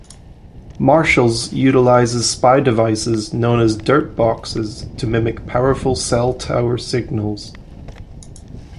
Marshals utilizes spy devices, known as "dirtboxes", to mimic powerful cell tower signals.